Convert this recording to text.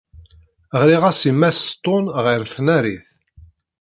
Ɣriɣ-as i Mass Stone ɣer tnarit.